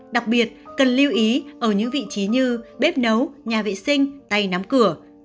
đặc biệt cần lưu ý ở những vị trí như bếp nấu nhà vệ sinh tay nắm cửa